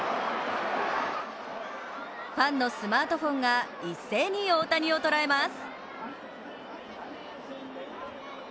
ファンのスマートフォンが一斉に大谷を捉えます。